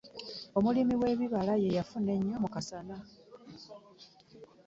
Omulimi w'ebibala ye afuna nnyo mu kasana.